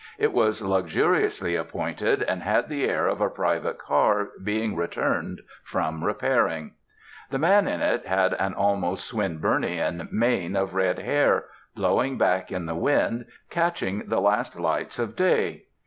It was luxuriously appointed, and had the air of a private car being returned from repairing. The man in it had an almost Swinburnian mane of red hair, blowing back in the wind, catching the last lights of day.